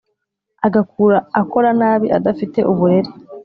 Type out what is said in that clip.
Agakura akora nabi adafite uburere